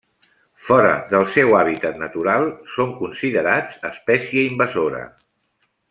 Fora del seu hàbitat natural, són considerats espècie invasora.